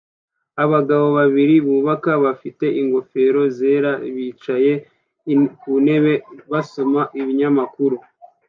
Abagabo babiri bubaka bafite ingofero zera bicaye ku ntebe basoma ibinyamakuru